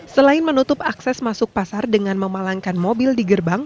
selain menutup akses masuk pasar dengan memalangkan mobil di gerbang